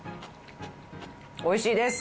おいしいです！